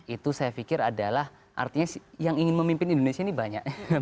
itu saya pikir adalah artinya yang ingin memimpin indonesia ini banyak